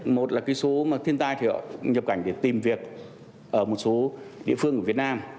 một là cái số mà thiên tai thì họ nhập cảnh để tìm việc ở một số địa phương của việt nam